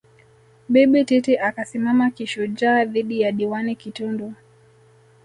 Bibi Titi akasimama kishujaa dhidi ya Diwani Kitundu